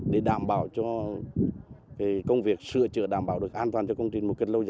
để đảm bảo cho công việc sửa chữa đảm bảo được an toàn cho công trình một cách lâu dài